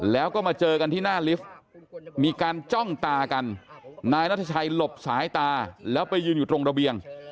แล้วก็มาเจอกันที่หน้าลิฟท์มีการจ้องตากันนายนัทชัยหลบสายตาแล้วไปยืนอยู่ตรงระเบียง